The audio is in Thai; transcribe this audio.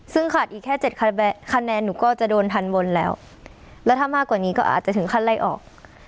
ซึ่งขาดอีกแค่๗คะแนนหนูก็จะโดนทันบนแล้วแล้วถ้ามากกว่านี้ก็อาจจะถึงขั้นไล่ออก